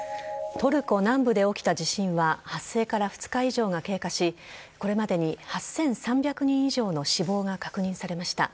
トルコ南部で起きた地震は発生から２日以上が経過しこれまでに８３００人以上の死亡が確認されました。